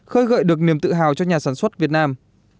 khơi gợi được niềm tự hào cho nhà sản xuất việt nam